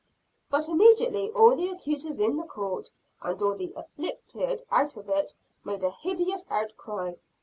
But immediately all the accusers in the Court, and all the "afflicted" out of it, made a hideous outcry.